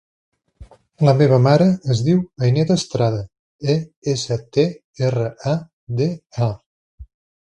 La meva mare es diu Ainet Estrada: e, essa, te, erra, a, de, a.